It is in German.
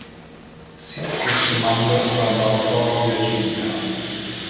Sitz des Kommandos war Norfolk, Virginia.